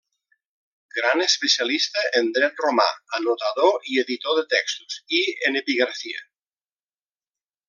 Gran especialista en dret romà, anotador i editor de textos i en epigrafia.